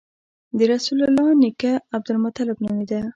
د رسول الله نیکه عبدالمطلب نومېده.